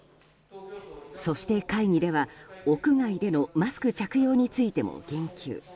そして会議では、屋外でのマスク着用についても言及。